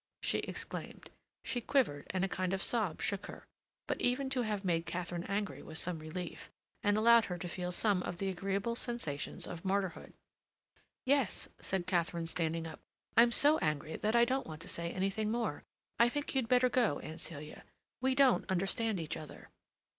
she exclaimed. She quivered, and a kind of sob shook her; but even to have made Katharine angry was some relief, and allowed her to feel some of the agreeable sensations of martyrdom. "Yes," said Katharine, standing up, "I'm so angry that I don't want to say anything more. I think you'd better go, Aunt Celia. We don't understand each other."